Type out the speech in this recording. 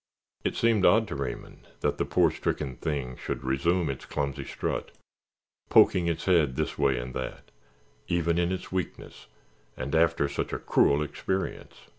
It seemed odd to Raymond that the poor stricken thing should resume its clumsy strut, poking its head this way and that, even in its weakness, and after such a cruel experience.